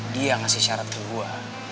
dia ngasih syarat kedua